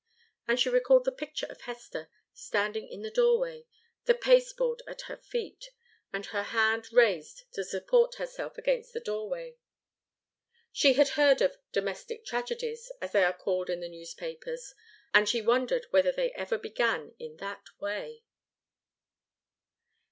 And she recalled the picture of Hester, standing in the doorway, the pasteboard at her feet, and her hand raised to support herself against the doorway. She had heard of 'domestic tragedies,' as they are called in the newspapers, and she wondered whether they ever began in that way.